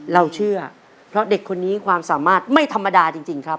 เราเชื่อเพราะเด็กคนนี้ความสามารถไม่ธรรมดาจริงครับ